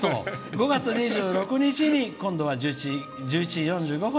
５月２６日に１１時４５分